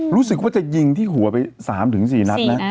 รู้สึกว่าจะยิงที่หัวไปสามถึงสี่นัดนะ